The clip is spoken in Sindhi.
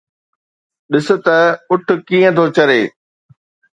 ڏس ته اُٺ ڪيئن ٿو چري.